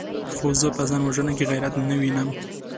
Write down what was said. خو زه په ځان وژنه کې غيرت نه وينم!